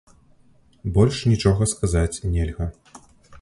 Больш нічога сказаць нельга.